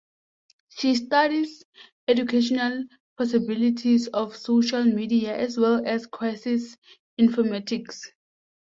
She studies educational possibilities of social media as well as Crisis Informatics.